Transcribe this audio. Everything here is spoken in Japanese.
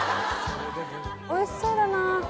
おいしそうだな。